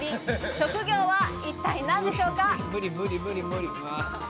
職業は一体何でしょうか？